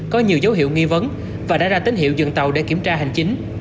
có nhiều dấu hiệu nghi vấn và đã ra tín hiệu dừng tàu để kiểm tra hành chính